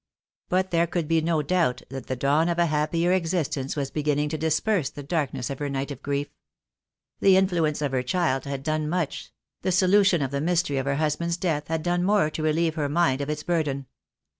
But there could be no doubt that the dawn of a happier existence was beginning to disperse the darkness of her night of grief. The influence of her child had done much; the solution of the mystery of her husband's death had done more to relieve her mind of its burden.